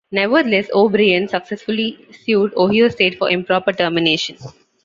Nevertheless, O'Brien successfully sued Ohio State for improper termination.